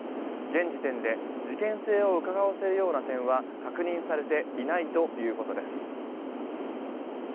現時点で事件性をうかがわせるような点は確認されていないということです。